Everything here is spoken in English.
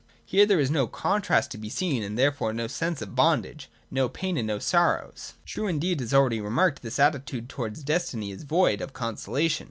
Here there is no contrast to be seen, and therefore no sense of bondage, no pain, and no sorrow. True, indeed, as already remarked, this attitude towards destiny is void of consolation.